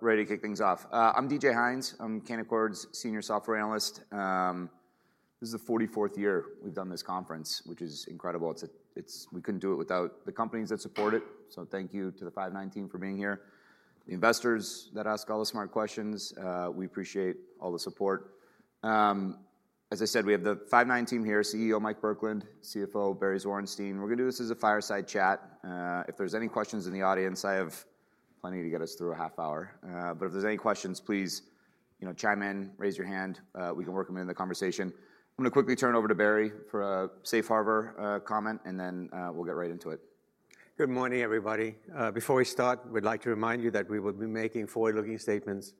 Ready to kick things off. I'm DJ Hynes. I'm Canaccord's Senior Software Analyst. This is the forty-fourth year we've done this conference, which is incredible. We couldn't do it without the companies that support it, so thank you to the Five9 team for being here. The investors that ask all the smart questions, we appreciate all the support. As I said, we have the Five9 team here, CEO Mike Burkland, CFO Barry Zwarenstein. We're gonna do this as a fireside chat. If there's any questions in the audience, I have plenty to get us through a half hour, but if there's any questions, please, you know, chime in, raise your hand, we can work them in the conversation. I'm gonna quickly turn it over to Barry for a safe harbor comment, and then we'll get right into it. Good morning, everybody. Before we start, we'd like to remind you that we will be making forward-looking statements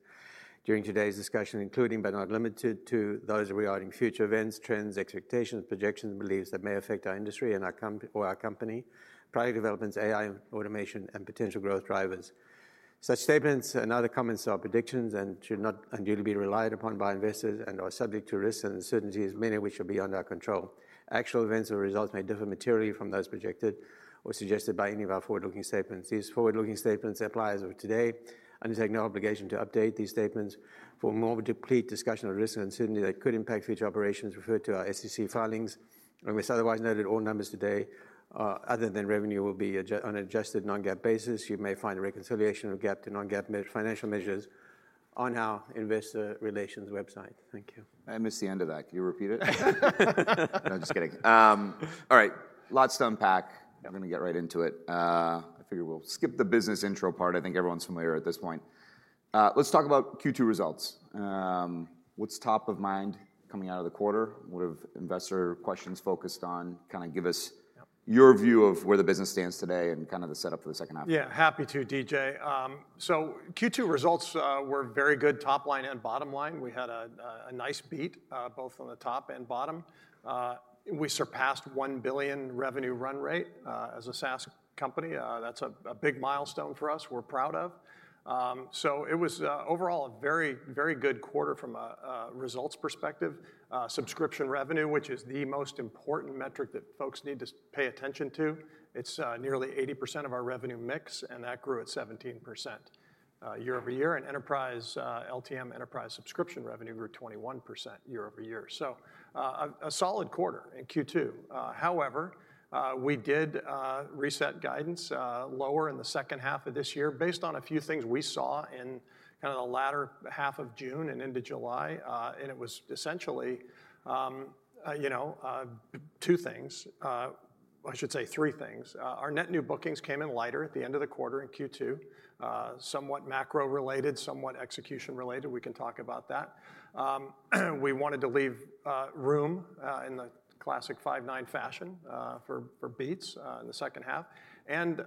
during today's discussion, including, but not limited to, those regarding future events, trends, expectations, projections, beliefs that may affect our industry and our com- or our company, product developments, AI, automation, and potential growth drivers. Such statements and other comments are predictions and should not unduly be relied upon by investors and are subject to risks and uncertainties, many of which are beyond our control. Actual events or results may differ materially from those projected or suggested by any of our forward-looking statements. These forward-looking statements apply as of today, and we take no obligation to update these statements. For a more complete discussion of risks and uncertainties that could impact future operations, refer to our SEC filings. Unless otherwise noted, all numbers today, other than revenue, will be adj... on an adjusted non-GAAP basis. You may find a reconciliation of GAAP to non-GAAP financial measures on our investor relations website. Thank you. I missed the end of that. Can you repeat it? No, just kidding. All right, lots to unpack. Yeah. I'm gonna get right into it. I figure we'll skip the business intro part. I think everyone's familiar at this point. Let's talk about Q2 results. What's top of mind coming out of the quarter? What have investor questions focused on? Kinda give us- Yep... your view of where the business stands today and kind of the setup for the second half? Yeah, happy to, DJ. So Q2 results were very good, top line and bottom line. We had a nice beat both on the top and bottom. We surpassed $1 billion revenue run rate as a SaaS company. That's a big milestone for us, we're proud of. So it was overall, a very, very good quarter from a results perspective. Subscription revenue, which is the most important metric that folks need to pay attention to, it's nearly 80% of our revenue mix, and that grew at 17% year-over-year. And enterprise LTM enterprise subscription revenue grew 21% year-over-year, so a solid quarter in Q2. However, we did reset guidance lower in the second half of this year, based on a few things we saw in kind of the latter half of June and into July. And it was essentially, you know, two things, I should say three things. Our net new bookings came in lighter at the end of the quarter in Q2. Somewhat macro-related, somewhat execution-related. We can talk about that. We wanted to leave room in the classic Five9 fashion for beats in the second half. And,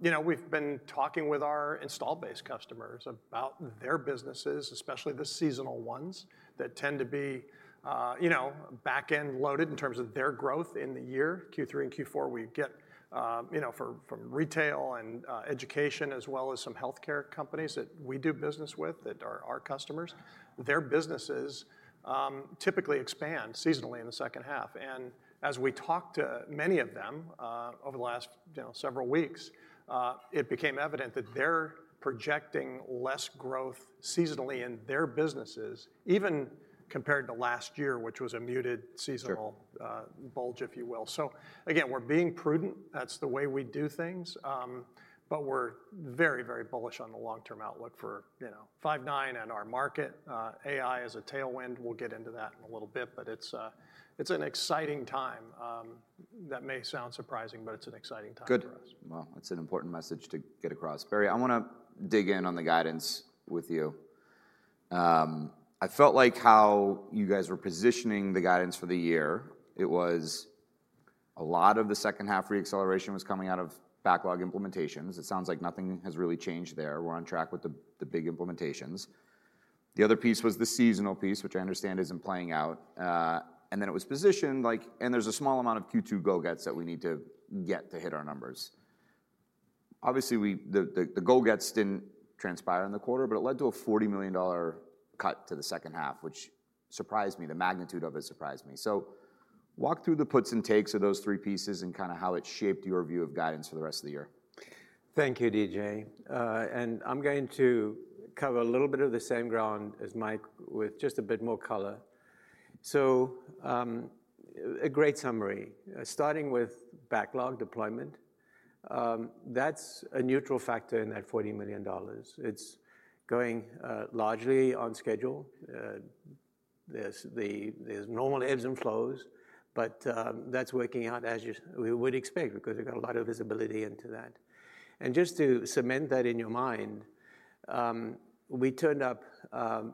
you know, we've been talking with our install base customers about their businesses, especially the seasonal ones that tend to be, you know, back-end loaded in terms of their growth in the year, Q3 and Q4, we get... You know, from retail and education, as well as some healthcare companies that we do business with, that are our customers. Their businesses typically expand seasonally in the second half, and as we talked to many of them, over the last, you know, several weeks, it became evident that they're projecting less growth seasonally in their businesses, even compared to last year, which was a muted seasonal- Sure... bulge, if you will. So again, we're being prudent, that's the way we do things, but we're very, very bullish on the long-term outlook for, you know, Five9 and our market. AI as a tailwind, we'll get into that in a little bit, but it's an exciting time. That may sound surprising, but it's an exciting time for us. Good. Well, it's an important message to get across. Barry, I wanna dig in on the guidance with you. I felt like how you guys were positioning the guidance for the year, it was a lot of the second half re-acceleration was coming out of backlog implementations. It sounds like nothing has really changed there. We're on track with the big implementations. The other piece was the seasonal piece, which I understand isn't playing out. And then it was positioned like... And there's a small amount of Q2 go-gets that we need to get to hit our numbers. Obviously, the go-gets didn't transpire in the quarter, but it led to a $40 million cut to the second half, which surprised me. The magnitude of it surprised me. Walk through the puts and takes of those three pieces, and kinda how it shaped your view of guidance for the rest of the year? Thank you, DJ. And I'm going to cover a little bit of the same ground as Mike, with just a bit more color. So, a great summary. Starting with backlog deployment, that's a neutral factor in that $40 million. It's going largely on schedule. There's normal ebbs and flows, but that's working out as we would expect, because we've got a lot of visibility into that. And just to cement that in your mind, we turned up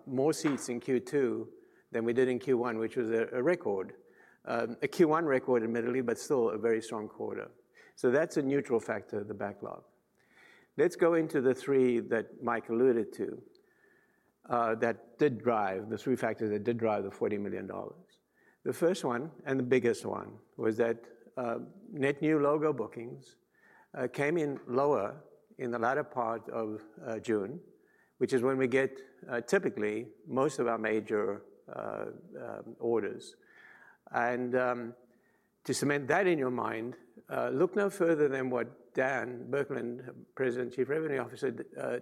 more seats in Q2 than we did in Q1, which was a record. A Q1 record, admittedly, but still a very strong quarter. So that's a neutral factor, the backlog. Let's go into the three that Mike alluded to, that did drive the three factors that did drive the $40 million. The first one, and the biggest one, was that, net new logo bookings, came in lower in the latter part of, June, which is when we get, typically, most of our major, orders. To cement that in your mind, look no further than what Dan Burkland, President and Chief Revenue Officer,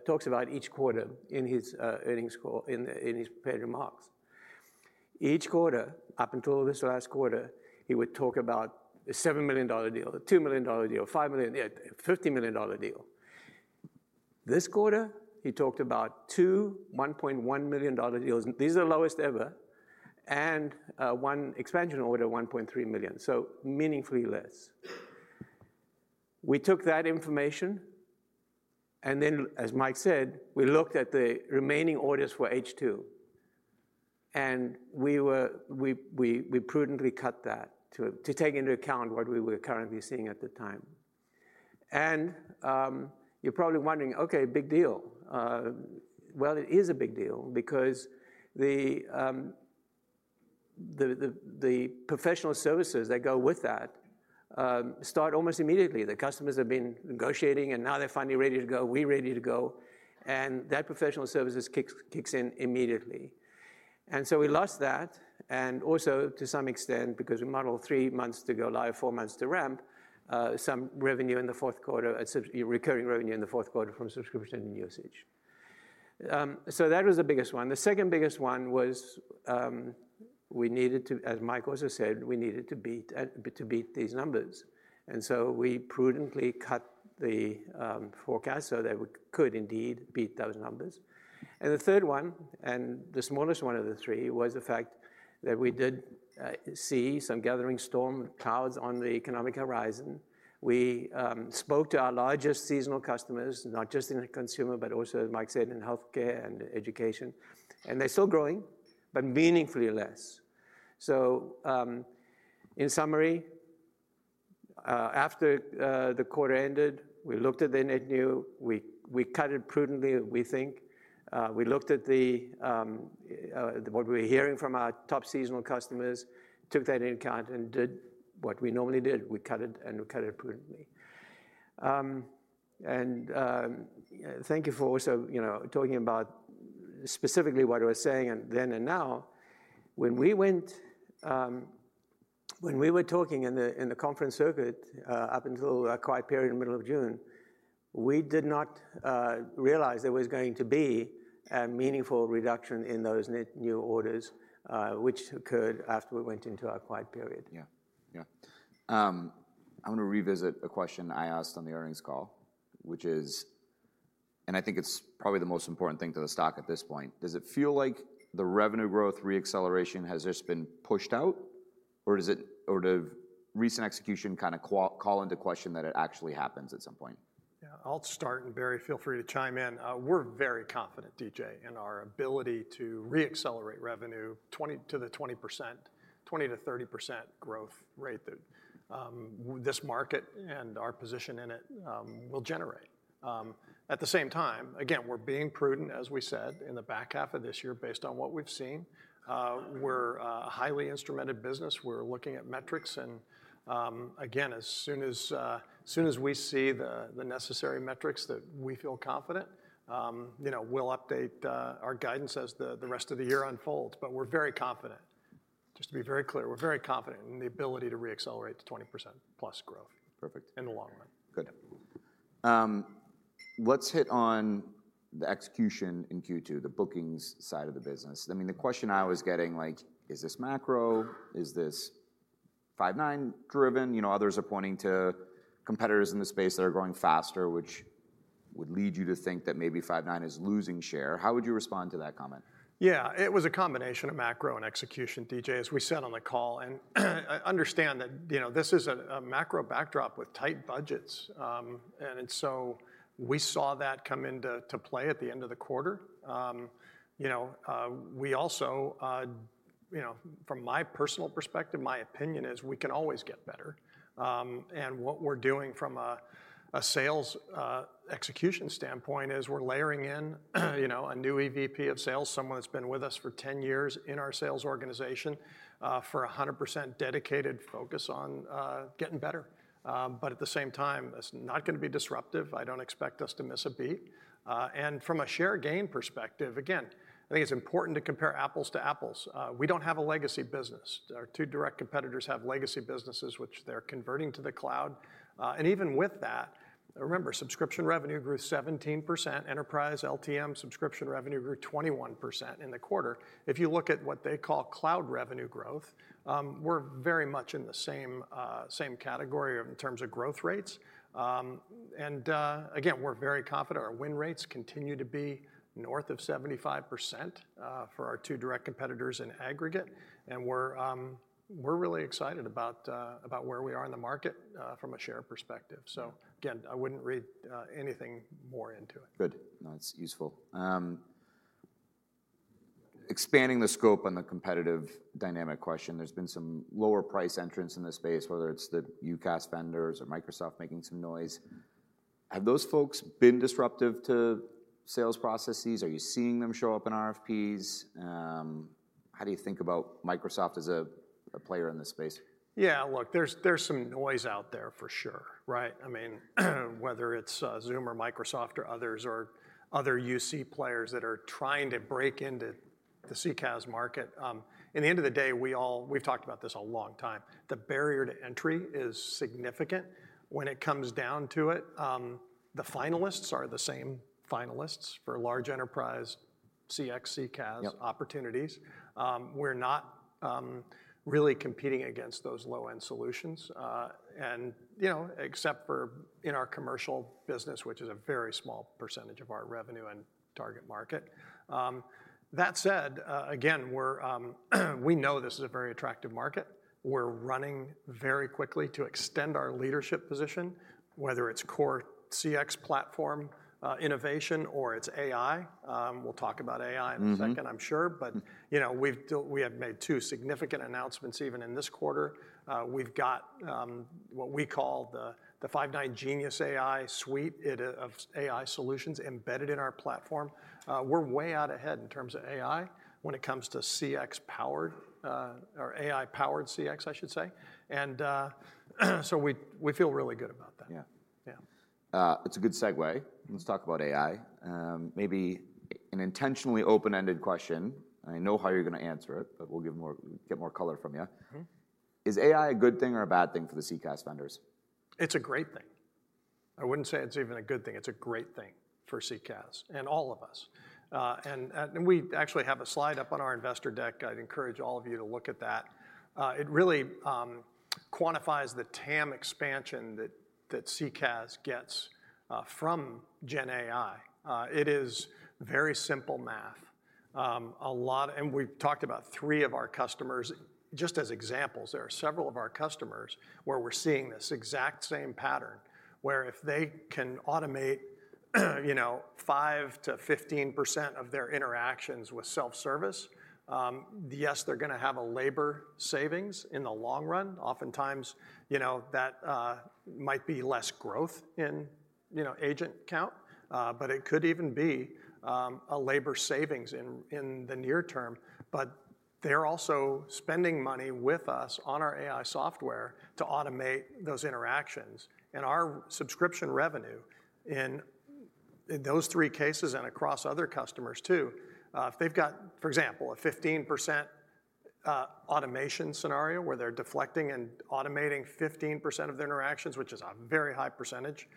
talks about each quarter in his, earnings call, in, in his prepared remarks. Each quarter, up until this last quarter, he would talk about a $7 million deal, a $2 million deal, $5 million, a $50 million deal. This quarter, he talked about two $1.1 million deals, and these are the lowest ever, and, one expansion order, $1.3 million, so meaningfully less. We took that information, and then, as Mike said, we looked at the remaining orders for H2, and we prudently cut that to take into account what we were currently seeing at the time. And, you're probably wondering, "Okay, big deal!" Well, it is a big deal because the professional services that go with that start almost immediately. The customers have been negotiating, and now they're finally ready to go. We're ready to go, and that professional services kicks in immediately. And so we lost that, and also to some extent, because we model three months to go live, four months to ramp, some revenue in the fourth quarter, so recurring revenue in the fourth quarter from subscription and usage. So that was the biggest one. The second biggest one was, we needed to, as Mike also said, we needed to beat to beat these numbers, and so we prudently cut the forecast so that we could indeed beat those numbers. The third one, and the smallest one of the three, was the fact that we did see some gathering storm clouds on the economic horizon. We spoke to our largest seasonal customers, not just in the consumer, but also, as Mike said, in healthcare and education, and they're still growing, but meaningfully less. So, in summary, after the quarter ended, we looked at the net new. We cut it prudently, we think. We looked at what we were hearing from our top seasonal customers, took that into account, and did what we normally did. We cut it, and we cut it prudently. Thank you for also, you know, talking about specifically what I was saying and then and now. When we were talking in the conference circuit, up until our quiet period in the middle of June, we did not realize there was going to be a meaningful reduction in those net new orders, which occurred after we went into our quiet period. Yeah. Yeah. I want to revisit a question I asked on the earnings call, which is, and I think it's probably the most important thing to the stock at this point: Does it feel like the revenue growth re-acceleration has just been pushed out, or does it, or the recent execution kind of call into question that it actually happens at some point? Yeah, I'll start, and Barry, feel free to chime in. We're very confident, DJ, in our ability to re-accelerate revenue to the 20%-30% growth rate that this market and our position in it will generate. At the same time, again, we're being prudent, as we said, in the back half of this year, based on what we've seen. We're a highly instrumented business. We're looking at metrics, and again, as soon as we see the necessary metrics that we feel confident, you know, we'll update our guidance as the rest of the year unfolds. But we're very confident. Just to be very clear, we're very confident in the ability to re-accelerate to 20%+ growth- Perfect... in the long run. Good. Let's hit on the execution in Q2, the bookings side of the business. I mean, the question I was getting like: Is this macro? Is this Five9-driven? You know, others are pointing to competitors in the space that are growing faster, which would lead you to think that maybe Five9 is losing share. How would you respond to that comment? Yeah, it was a combination of macro and execution, DJ, as we said on the call. Understand that, you know, this is a macro backdrop with tight budgets, and so we saw that come into play at the end of the quarter. You know, from my personal perspective, my opinion is we can always get better. What we're doing from a sales execution standpoint is we're layering in, you know, a new EVP of sales, someone that's been with us for 10 years in our sales organization, for a 100% dedicated focus on getting better. But at the same time, it's not gonna be disruptive. I don't expect us to miss a beat. From a share gain perspective, again, I think it's important to compare apples to apples. We don't have a legacy business. Our two direct competitors have legacy businesses, which they're converting to the cloud. And even with that, remember, subscription revenue grew 17%, enterprise LTM subscription revenue grew 21% in the quarter. If you look at what they call cloud revenue growth, we're very much in the same, same category in terms of growth rates. And, again, we're very confident. Our win rates continue to be north of 75%, for our two direct competitors in aggregate, and we're, we're really excited about, about where we are in the market, from a share perspective. So again, I wouldn't read, anything more into it. Good. That's useful. Expanding the scope on the competitive dynamic question, there's been some lower price entrants in this space, whether it's the UCaaS vendors or Microsoft making some noise. Have those folks been disruptive to sales processes? Are you seeing them show up in RFPs? How do you think about Microsoft as a, a player in this space? Yeah, look, there's some noise out there for sure, right? I mean, whether it's Zoom or Microsoft or others, or other UC players that are trying to break into the CCaaS market, in the end of the day, we've talked about this a long time. The barrier to entry is significant. When it comes down to it, the finalists are the same finalists for large enterprise CX, CCaaS- Yep... opportunities. We're not really competing against those low-end solutions. And, you know, except for in our commercial business, which is a very small percentage of our revenue and target market. That said, again, we know this is a very attractive market. We're running very quickly to extend our leadership position, whether it's core CX platform, innovation, or it's AI. We'll talk about AI in a second- Mm-hmm... I'm sure. But, you know, we've still- we have made two significant announcements even in this quarter. We've got, what we call the, the Five9 Genius AI Suite, it, of AI solutions embedded in our platform. We're way out ahead in terms of AI when it comes to CX powered, or AI-powered CX, I should say. And, so we, we feel really good about that. Yeah. Yeah. It's a good segue. Let's talk about AI. Maybe an intentionally open-ended question, and I know how you're gonna answer it, but we'll give more, get more color from you. Mm-hmm. Is AI a good thing or a bad thing for the CCaaS vendors? It's a great thing. I wouldn't say it's even a good thing, it's a great thing for CCaaS and all of us. We actually have a slide up on our investor deck. I'd encourage all of you to look at that. It really quantifies the TAM expansion that CCaaS gets from GenAI. It is very simple math. We've talked about three of our customers, just as examples. There are several of our customers where we're seeing this exact same pattern, where if they can automate, you know, 5%-15% of their interactions with self-service, yes, they're gonna have a labor savings in the long run. Oftentimes, you know, that might be less growth in, you know, agent count. But it could even be a labor savings in the near term, but they're also spending money with us on our AI software to automate those interactions. And our subscription revenue in those three cases and across other customers, too, if they've got, for example, a 15% automation scenario, where they're deflecting and automating 15% of their interactions, which is a very high percentage,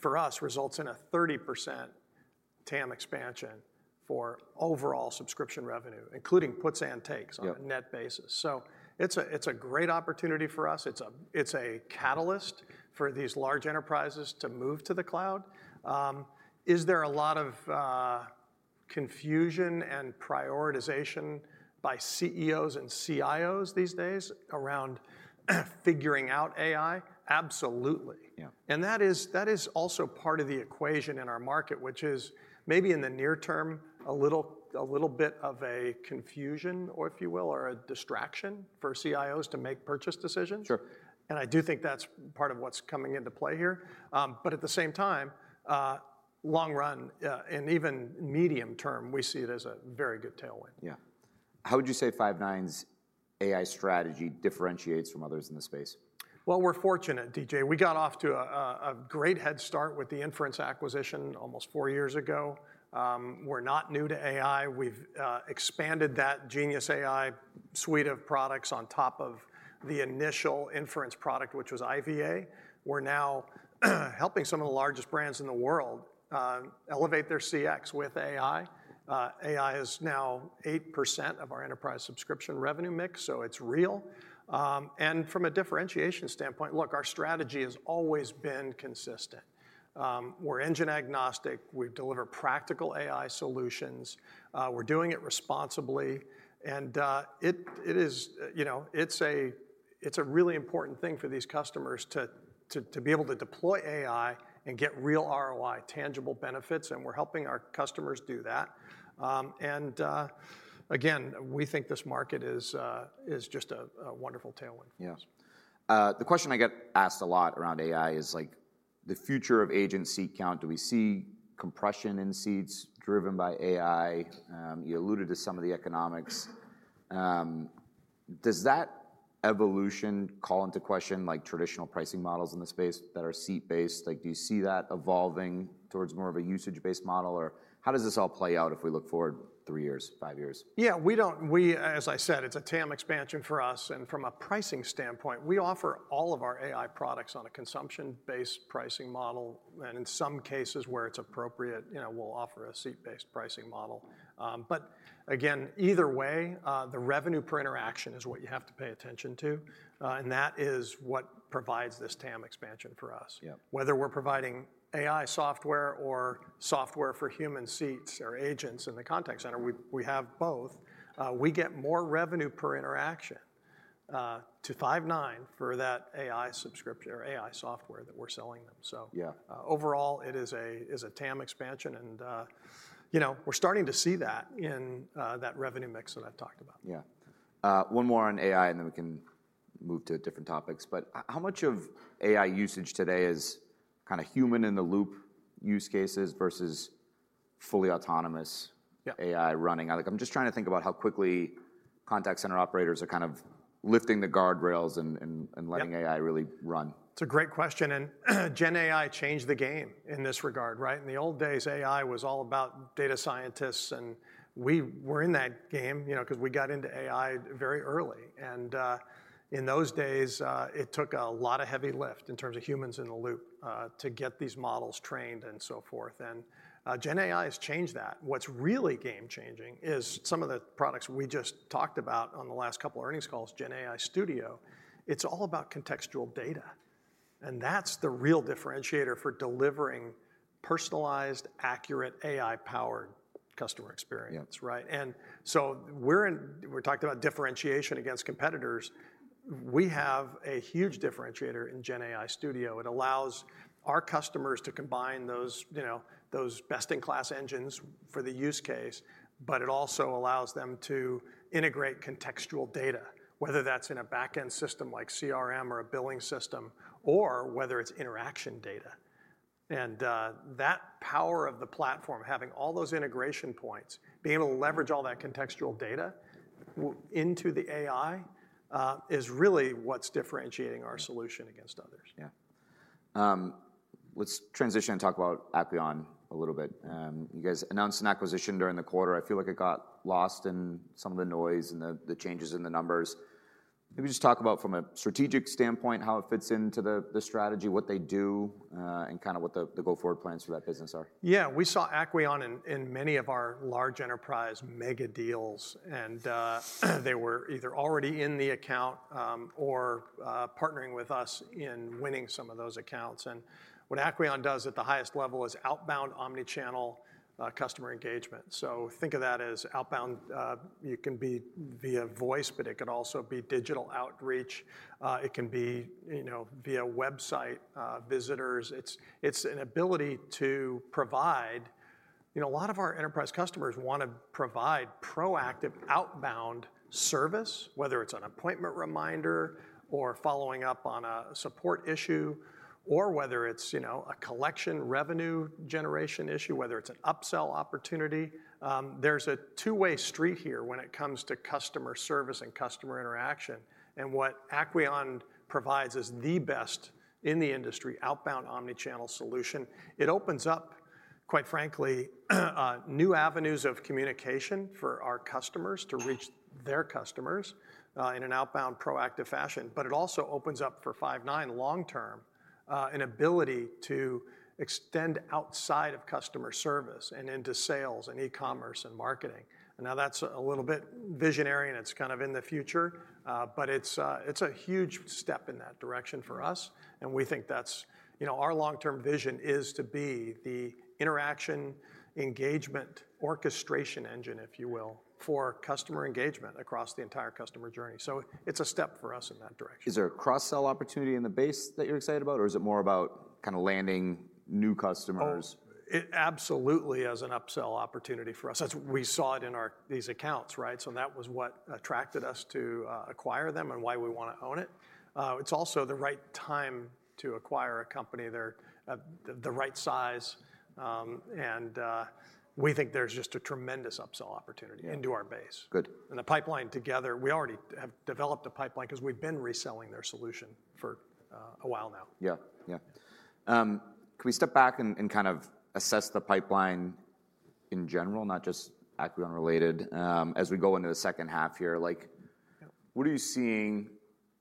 for us, results in a 30% TAM expansion for overall subscription revenue, including puts and takes- Yep... on a net basis. So it's a, it's a great opportunity for us. It's a, it's a catalyst for these large enterprises to move to the cloud. Is there a lot of confusion and prioritization by CEOs and CIOs these days around figuring out AI? Absolutely. Yeah. That is also part of the equation in our market, which is maybe in the near term a little bit of a confusion, or if you will, a distraction for CIOs to make purchase decisions. Sure. I do think that's part of what's coming into play here. At the same time, long run, and even medium term, we see it as a very good tailwind. Yeah. How would you say Five9's AI strategy differentiates from others in the space? Well, we're fortunate, DJ. We got off to a great head start with the Inference acquisition almost four years ago. We're not new to AI. We've expanded that Genius AI Suite of products on top of the initial Inference product, which was IVA. We're now helping some of the largest brands in the world elevate their CX with AI. AI is now 8% of our enterprise subscription revenue mix, so it's real. And from a differentiation standpoint, look, our strategy has always been consistent. We're engine agnostic, we deliver practical AI solutions, we're doing it responsibly, and it is, you know, it's a really important thing for these customers to be able to deploy AI and get real ROI, tangible benefits, and we're helping our customers do that. Again, we think this market is just a wonderful tailwind. Yes. The question I get asked a lot around AI is, like, the future of agent seat count, do we see compression in seats driven by AI? You alluded to some of the economics. Does that evolution call into question, like, traditional pricing models in the space that are seat-based? Like, do you see that evolving towards more of a usage-based model? Or how does this all play out if we look forward three years, five years? As I said, it's a TAM expansion for us, and from a pricing standpoint, we offer all of our AI products on a consumption-based pricing model, and in some cases, where it's appropriate, you know, we'll offer a seat-based pricing model. But again, either way, the revenue per interaction is what you have to pay attention to, and that is what provides this TAM expansion for us. Yep. Whether we're providing AI software or software for human seats or agents in the contact center- Mm... we have both, we get more revenue per interaction to Five9 for that AI subscription or AI software that we're selling them. So- Yeah... overall, it is a TAM expansion, and, you know, we're starting to see that in that revenue mix that I've talked about. Yeah. One more on AI, and then we can move to different topics. But how much of AI usage today is kind of human-in-the-loop use cases versus fully autonomous- Yeah... AI running? Like, I'm just trying to think about how quickly contact center operators are kind of lifting the guardrails and, and- Yep and letting AI really run? It's a great question, and GenAI changed the game in this regard, right? In the old days, AI was all about data scientists, and we were in that game, you know, 'cause we got into AI very early. And, in those days, it took a lot of heavy lift in terms of humans in the loop, to get these models trained and so forth. And, GenAI has changed that. What's really game-changing is some of the products we just talked about on the last couple earnings calls, GenAI Studio, it's all about contextual data, and that's the real differentiator for delivering personalized, accurate, AI-powered customer experience. Yeah. Right? And so we're talking about differentiation against competitors. We have a huge differentiator in GenAI Studio. It allows our customers to combine those, you know, those best-in-class engines for the use case, but it also allows them to integrate contextual data, whether that's in a backend system like CRM or a billing system, or whether it's interaction data. And that power of the platform, having all those integration points, being able to leverage all that contextual data into the AI, is really what's differentiating our solution against others. Yeah. Let's transition and talk about Acqueon a little bit. You guys announced an acquisition during the quarter. I feel like it got lost in some of the noise and the changes in the numbers. Maybe just talk about from a strategic standpoint, how it fits into the strategy, what they do, and kinda what the go-forward plans for that business are. Yeah, we saw Acqueon in many of our large enterprise mega deals, and they were either already in the account, or partnering with us in winning some of those accounts. What Acqueon does at the highest level is outbound omni-channel customer engagement. Think of that as outbound. It can be via voice, but it could also be digital outreach. It can be, you know, via website visitors. It's an ability to provide... You know, a lot of our enterprise customers want to provide proactive outbound service, whether it's an appointment reminder or following up on a support issue, or whether it's, you know, a collection revenue generation issue, whether it's an upsell opportunity. There's a two-way street here when it comes to customer service and customer interaction, and what Acqueon provides is the best in the industry, outbound omni-channel solution. It opens up, quite frankly, new avenues of communication for our customers to reach their customers, in an outbound, proactive fashion. But it also opens up for Five9 long term, an ability to extend outside of customer service and into sales and e-commerce and marketing. Now, that's a little bit visionary, and it's kind of in the future, but it's, it's a huge step in that direction for us, and we think that's... You know, our long-term vision is to be the interaction, engagement, orchestration engine, if you will, for customer engagement across the entire customer journey, so it's a step for us in that direction. Is there a cross-sell opportunity in the base that you're excited about, or is it more about kinda landing new customers? Oh, it absolutely is an upsell opportunity for us. That's—we saw it in our these accounts, right? So that was what attracted us to acquire them and why we want to own it. It's also the right time to acquire a company. They're the right size, and we think there's just a tremendous upsell opportunity- Yeah... into our base. Good. The pipeline together, we already have developed a pipeline 'cause we've been reselling their solution for a while now. Yeah, yeah. Can we step back and kind of assess the pipeline in general, not just Acqueon-related, as we go into the second half here? Like- Yeah... what are you seeing,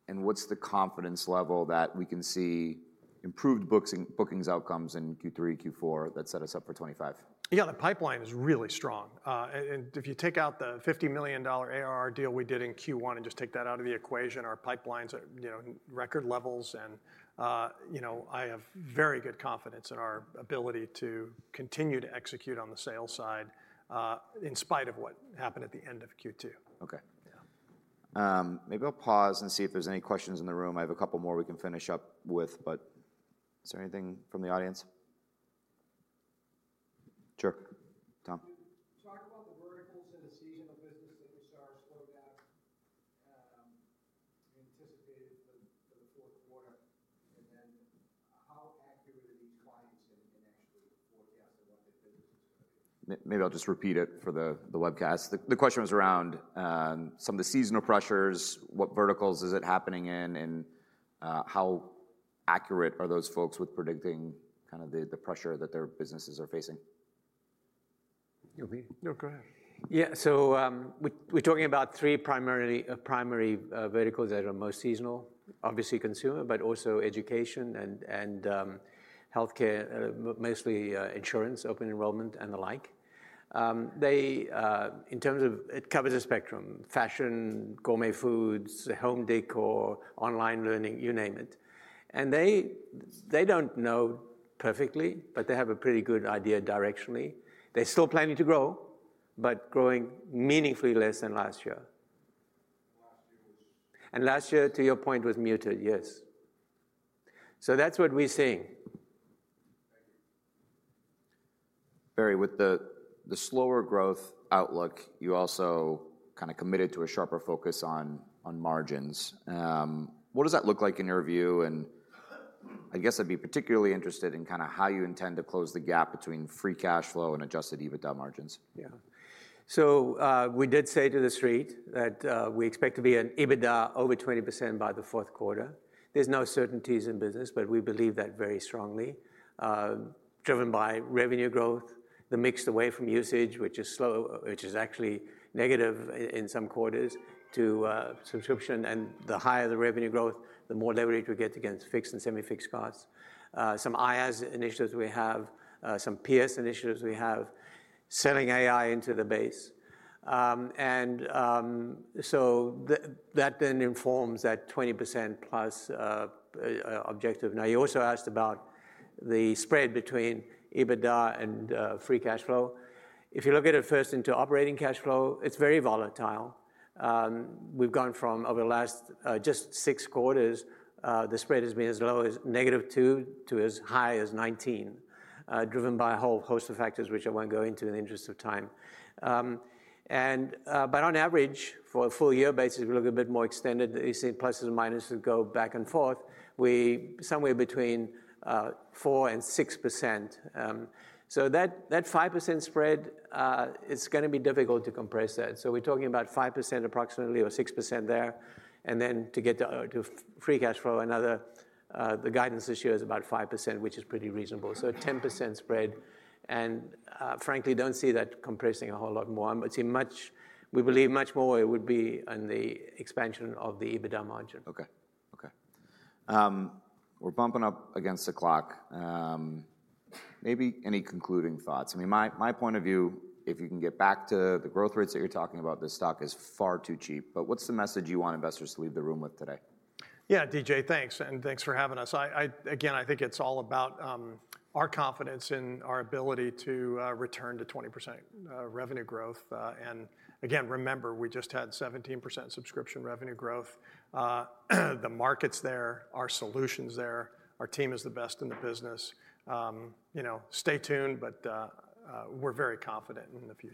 and what's the confidence level that we can see improved bookings outcomes in Q3, Q4 that set us up for 2025? Yeah, the pipeline is really strong. And if you take out the $50 million ARR deal we did in Q1 and just take that out of the equation, our pipelines are, you know, record levels and, you know, I have very good confidence in our ability to continue to execute on the sales side, in spite of what happened at the end of Q2. Okay. Yeah. Maybe I'll pause and see if there's any questions in the room. I have a couple more we can finish up with, but is there anything from the audience? Sure, Tom. Can you talk about the verticals in the seasonal business that you saw slow down, anticipated for the fourth quarter? And then, how accurate are these clients in actually forecasting what their business is going to be? Maybe I'll just repeat it for the webcast. The question was around some of the seasonal pressures, what verticals is it happening in, and how accurate are those folks with predicting kind of the pressure that their businesses are facing? You want me? No, go ahead. Yeah, so, we're talking about three primarily, primary, verticals that are most seasonal: obviously consumer, but also education and, and, healthcare, mostly, insurance, open enrollment, and the like. They, in terms of... It covers a spectrum: fashion, gourmet foods, home decor, online learning, you name it. And they, they don't know perfectly, but they have a pretty good idea directionally. They're still planning to grow, but growing meaningfully less than last year. Last year was- Last year, to your point, was muted, yes. That's what we're seeing. Thank you. Barry, with the slower growth outlook, you also kinda committed to a sharper focus on margins. What does that look like in your view, and I guess I'd be particularly interested in kind of how you intend to close the gap between free cash flow and adjusted EBITDA margins? Yeah. So, we did say to the street that we expect to be an EBITDA over 20% by the fourth quarter. There's no certainties in business, but we believe that very strongly. Driven by revenue growth, the mix away from usage, which is actually negative in some quarters, to subscription, and the higher the revenue growth, the more leverage we get against fixed and semi-fixed costs. Some IaaS initiatives we have, some PS initiatives we have, selling AI into the base. And so that then informs that 20% plus objective. Now, you also asked about the spread between EBITDA and free cash flow. If you look at it first into operating cash flow, it's very volatile. We've gone from over the last just 6 quarters, the spread has been as low as -2% to as high as 19%, driven by a whole host of factors, which I won't go into in the interest of time. But on average, for a full year basis, we look a bit more extended, you see pluses and minuses go back and forth, we somewhere between 4% and 6%. So that, that 5% spread, it's gonna be difficult to compress that. So we're talking about 5% approximately or 6% there, and then to get to free cash flow, another, the guidance this year is about 5%, which is pretty reasonable. So a 10% spread, and, frankly, don't see that compressing a whole lot more. We believe much more, it would be on the expansion of the EBITDA margin. Okay. Okay. We're bumping up against the clock. Maybe any concluding thoughts? I mean, my, my point of view, if you can get back to the growth rates that you're talking about, this stock is far too cheap, but what's the message you want investors to leave the room with today? Yeah, DJ, thanks, and thanks for having us. Again, I think it's all about our confidence in our ability to return to 20% revenue growth. And again, remember, we just had 17% subscription revenue growth. The market's there, our solution's there, our team is the best in the business. You know, stay tuned, but we're very confident in the future.